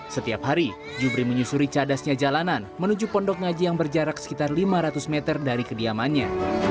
setiap hari jubri menyusuri cadasnya jalanan menuju pondok ngaji yang berjarak sekitar lima ratus meter dari kediamannya